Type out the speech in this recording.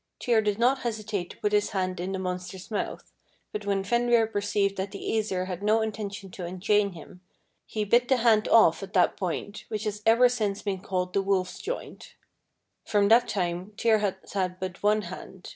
Tyr did not hesitate to put his hand in the monster's mouth, but when Fenrir perceived that the Æsir had no intention to unchain him, he bit the hand off at that point, which has ever since been called the wolf's joint. From that time Tyr has had but one hand.